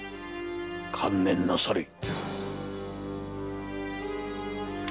観念なされい。